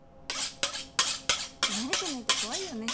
慣れてないと怖いよね。